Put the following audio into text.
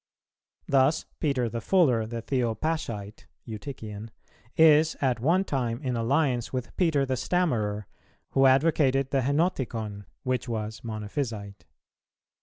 Thus Peter the Fuller the Theopaschite (Eutychian), is at one time in alliance with Peter the Stammerer, who advocated the Henoticon (which was Monophysite).